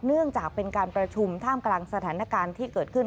เนื่องจากเป็นการประชุมท่ามกลางสถานการณ์ที่เกิดขึ้น